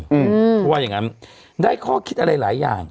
เพราะว่าอย่างงั้นได้ข้อคิดอะไรหลายอย่าง